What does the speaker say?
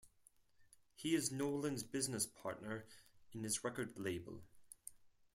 He is Nolan's business partner in his record label.